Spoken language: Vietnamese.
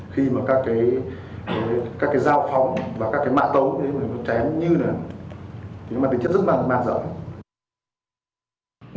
nhưng mà tính chất rất là màn rộng